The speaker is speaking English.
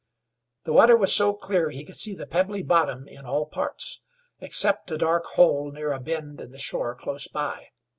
The water was so clear he could see the pebbly bottom in all parts, except a dark hole near a bend in the shore close by.